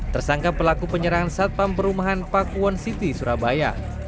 tersangka pelaku penyerangan satpam perumahan pakuwon city surabaya